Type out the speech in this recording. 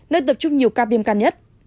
nơi tập trung nhiều ca viêm gan nhất